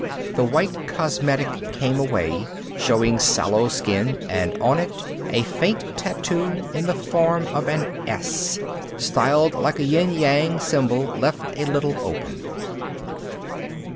The white cosmetic came away, showing sallow skin and on it a faint tattoo in the form of an "S" styled like a yin yang symbol left a little open.